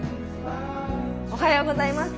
おはようございます！